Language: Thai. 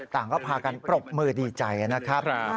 ต่างก็พากันปรบมือดีใจนะครับ